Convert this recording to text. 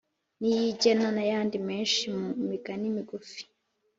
niyigena n’ayandi menshi. mu migani migufi